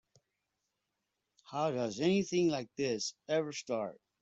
How does anything like this ever start?